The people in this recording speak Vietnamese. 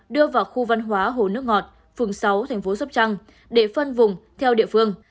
đưa vào khu văn hóa hồ nước ngọt phường sáu thành phố dốc trăng để phân vùng theo địa phương